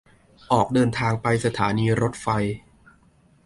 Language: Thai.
ออกเดินทางไปสถานีรถไฟ